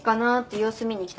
様子見に来た。